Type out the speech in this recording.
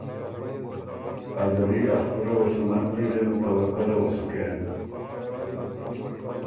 ا زری ا ستُره وه سو نک جیرېم توکله وه سو کېم۔